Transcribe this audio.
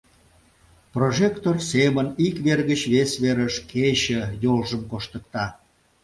Прожектор семын ик вер гыч вес верыш кече йолжым коштыкта.